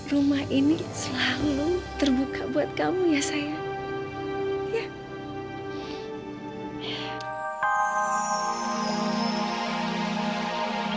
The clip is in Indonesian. rumah ini selalu terbuka buat kamu ya saya